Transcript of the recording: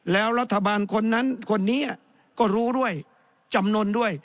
แล้วรัฐบาลคนนั้นคนนี้ก็รู้ด้วยจำนวนด้วย